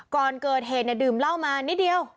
ก่อนเกิดเหตุเนี่ยดื่มเหล้ามานิดเดียว